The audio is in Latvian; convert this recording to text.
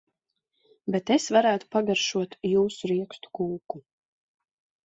Bet es varētu pagaršotjūsu riekstu kūku.